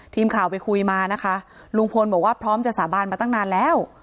ทีมข่าวไปคุยมานะคะลุงพลบอกว่าพร้อมจะสาบานมาตั้งนานแล้ว